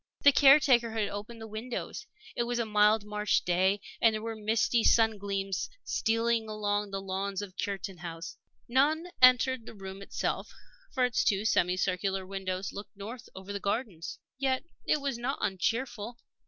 The caretaker had opened the windows. It was a mild March day, and there were misty sun gleams stealing along the lawns of Cureton House. None entered the room itself, for its two semi circular windows looked north over the gardens. Yet it was not uncheerful.